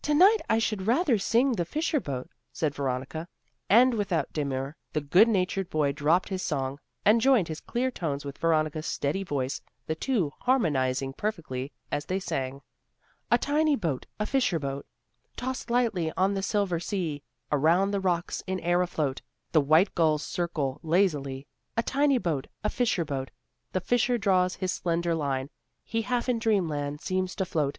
"To night I should rather sing the Fisher boat," said Veronica, and without demur the good natured boy dropped his song, and joined his clear tones with Veronica's steady voice, the two harmonizing perfectly as they sang: "A tiny boat, a fisher boat, Tossed lightly on the silver sea; Around the rocks, in air, afloat The white gulls circle lazily. A tiny boat, a fisher boat The fisher draws his slender line; He half in dream land seems to float.